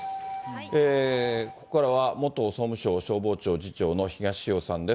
ここからは、元総務省消防庁次長の東尾さんです。